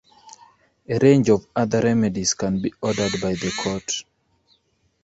A range of other remedies can be ordered by the court.